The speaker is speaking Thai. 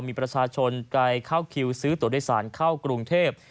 มีประชาชนไปเข้าคิวซื้อตัวโดยสารเข้ากรุงเทพ